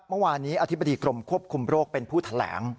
เมื่อวานนี้อธิบดีกรมควบคุมโรคเป็นผู้แถลง